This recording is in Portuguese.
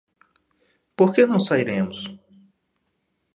Por que não sairemos?